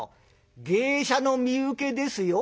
芸者の身請けですよ。